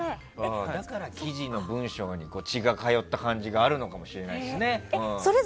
だから記事の文章に血が通った感じがあるのかもね。